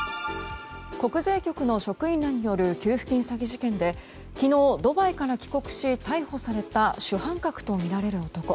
国税局の職員らによる給付金詐欺事件で昨日ドバイから帰国し逮捕された主犯格とみられる男。